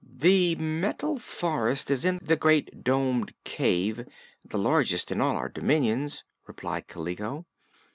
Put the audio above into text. "The Metal Forest is in the Great Domed Cavern, the largest in all our dominions," replied Kaliko.